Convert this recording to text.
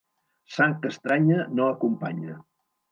Sang estranya no acompanya.